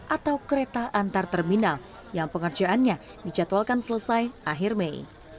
atau kereta antar terminal yang pengerjaannya dijadwalkan selesai akhir mei